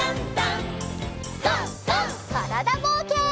からだぼうけん。